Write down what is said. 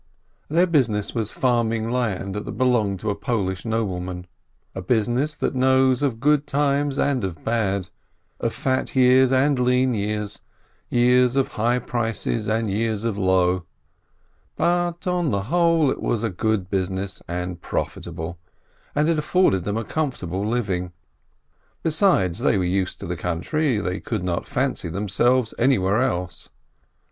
Their business was farming land that belonged to a Polish nobleman, a busi ness that knows of good times and of bad, of fat years and lean years, years of high prices and years of low. But on the whole it was a good business and profitable, and it afforded them a comfortable living. Besides, they were used to the country, they could not fancy themselves anywhere else.